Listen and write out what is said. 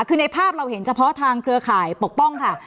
คือในภาพเราเห็นเฉพาะทางเครือข่ายปกป้องค่ะ